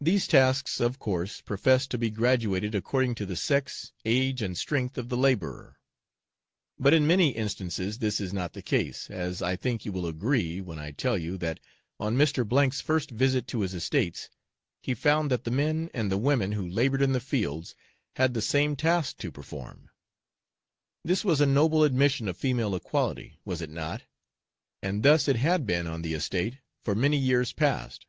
These tasks, of course, profess to be graduated according to the sex, age, and strength of the labourer; but in many instances this is not the case, as I think you will agree when I tell you that on Mr. 's first visit to his estates he found that the men and the women who laboured in the fields had the same task to perform. This was a noble admission of female equality, was it not? and thus it had been on the estate for many years past.